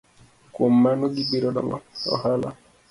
Kuom mano gibiro dongo ohala.